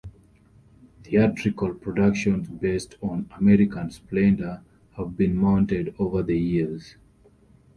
Theatrical productions based on "American Splendor" have been mounted over the years.